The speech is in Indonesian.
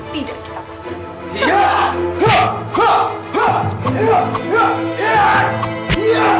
tidak kita bangun